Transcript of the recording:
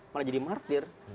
malah jadi martir